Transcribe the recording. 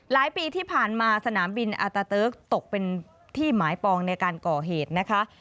ปีที่ผ่านมาสนามบินอาตาเติร์กตกเป็นที่หมายปองในการก่อเหตุนะคะ